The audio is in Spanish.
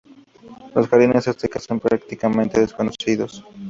Los jardines aztecas son, prácticamente, desconocidos.